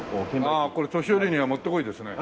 ああこれ年寄りにはもってこいですね。